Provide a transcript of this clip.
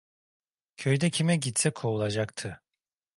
Köyde kime gitse kovulacaktı.